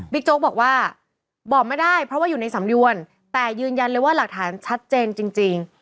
โจ๊กบอกว่าบอกไม่ได้เพราะว่าอยู่ในสำนวนแต่ยืนยันเลยว่าหลักฐานชัดเจนจริง